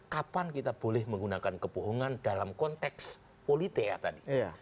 kapan kita boleh menggunakan kebohongan dalam konteks politika tadi